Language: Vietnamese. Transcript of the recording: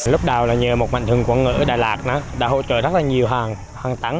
lúc đầu là nhờ một mạnh thương quản ngữ đài lạt đã hỗ trợ rất là nhiều hàng tấn